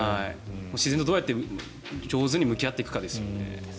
自然とどうやって上手に向き合っていくかですよね。